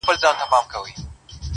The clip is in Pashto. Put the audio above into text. روح مي نیم بسمل نصیب ته ولیکم!!